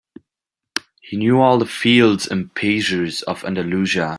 He knew all the fields and pastures of Andalusia.